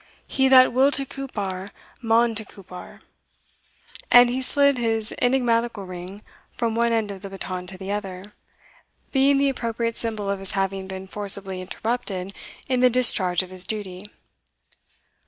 He that will to Cupar maun to Cupar," and he slid his enigmatical ring from one end of the baton to the other, being the appropriate symbol of his having been forcibly interrupted in the discharge of his duty.